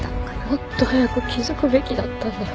もっと早く気づくべきだったんだよ。